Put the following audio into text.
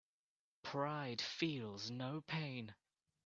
Pride feels no pain.